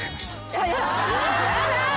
やだ！